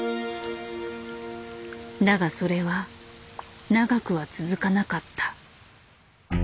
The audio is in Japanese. だがそれは長くは続かなかった。